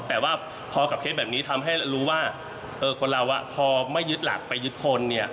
แต่ว่าพอกับเคสแบบนี้ทำให้รู้ว่าคนเราพอไม่ยึดหลักไปยึดคนเนี่ย